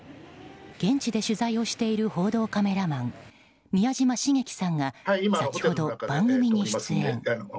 現地で取材をしている報道カメラマン宮嶋茂樹さんが先ほど番組に出演。